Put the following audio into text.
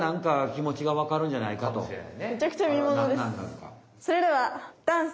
めちゃくちゃみものです。